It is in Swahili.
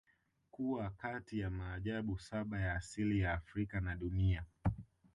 Kuwa kati ya maajabu saba ya asili ya Afrika na dunia